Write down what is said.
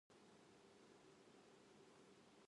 週末はどこに行きたいですか。